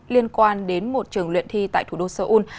liên quan đến một trường luyện thi tại thủ đô seoul